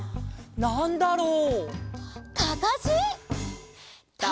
「なんだろう」